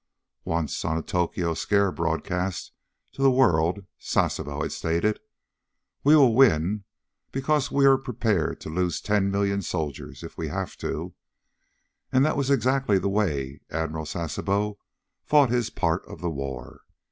Once on a Tokyo scare broadcast to the world, Sasebo had stated, "We will win because we are prepared to lose ten million soldiers, if we have to." And that was exactly the way Admiral Sasebo had fought his part of the war.